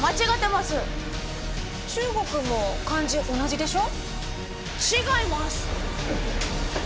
中国も漢字同じでしょ？